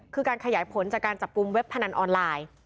คือการขยายผลจากการจับกลุ่มเว็บพนันออนไลน์